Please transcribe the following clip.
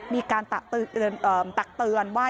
มีการตักเตือนว่า